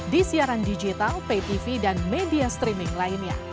di siaran digital pay tv dan media streaming lainnya